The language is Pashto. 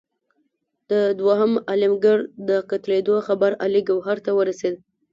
د دوهم عالمګیر د قتلېدلو خبر علي ګوهر ته ورسېد.